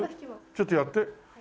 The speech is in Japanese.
ちょっとやって！